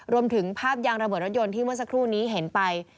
รวมถึงภาพยางระเบิดรถยนต์ที่เมื่อสักครู่นี้เห็นไป